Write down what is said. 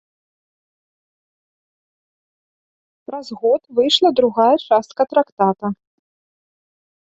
Праз год выйшла другая частка трактата.